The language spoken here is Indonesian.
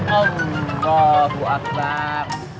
allah bu akbar